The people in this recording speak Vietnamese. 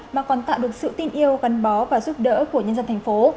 mà còn tạo được sự tin yêu gắn bó và giúp đỡ của nhân dân thành phố